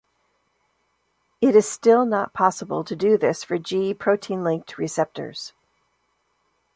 It is still not possible to do this for G protein-linked receptors.